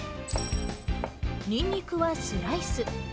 ニンニクはスライス。